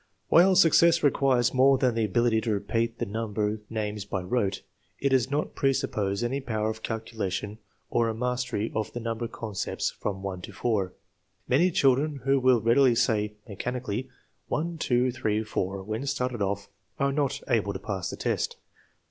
While success requires more than the ability to repeat the number names by rote, it does not presuppose any power of calculation or a mastery of the number concepts from one to four. Many children who will readily say, mechani cally, " one, two, three, four/ 5 when started off, are not able to pass the test.